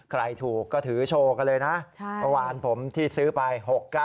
ใครถูกก็ถือโชว์กันเลยนะเมื่อวานผมที่ซื้อไป๖๙